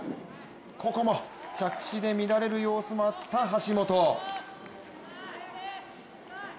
ここも着地で乱れる様子もあった橋本。